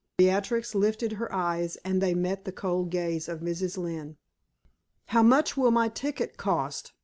Beatrix lifted her eyes, and they met the cold gaze of Mrs. Lynne. "How much will my ticket cost?"